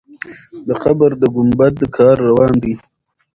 د قبر د ګمبد کار روان دی.